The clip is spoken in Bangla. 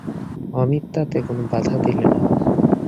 অমিত তাতে কোনো বাধা দিলে না।